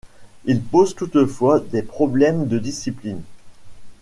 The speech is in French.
Il pose toutefois des problèmes de discipline.